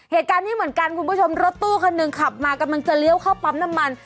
เหตุการณ์นี้เหมือนกันคุณผู้ชมรถตู้คันหนึ่งขับมากำลังจะเลี้ยวเข้าปั๊มน้ำมัน